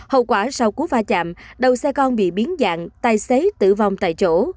hậu quả sau cú va chạm đầu xe con bị biến dạng tài xế tử vong tại chỗ